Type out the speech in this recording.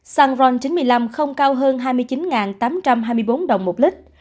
xăng ron chín mươi năm không cao hơn hai mươi chín tám trăm hai mươi bốn đồng một lít